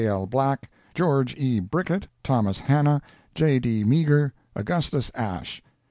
L. Black, George E. Brickett, Thomas Hannah, J. D. Meagher, Augustus Ash.